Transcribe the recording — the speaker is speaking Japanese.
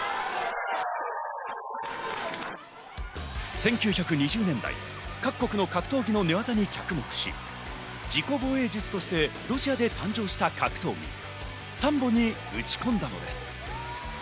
１９２０年代、各国の格闘技の寝技に着目し、自己防衛術としてロシアで誕生した格闘技、サンボに打ち込んだのです。